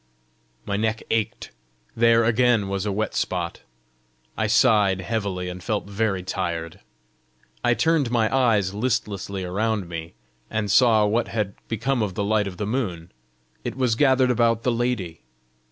My neck ached: there again was a wet spot! I sighed heavily, and felt very tired. I turned my eyes listlessly around me and saw what had become of the light of the moon: it was gathered about the lady!